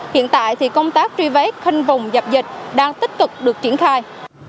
hiện tại thì công tác truy vết khoanh vùng dập dịch đang tích cực được triển khai